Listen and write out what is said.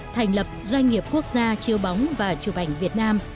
thành lập doanh nghiệp quốc gia chiếu bóng và chụp ảnh việt nam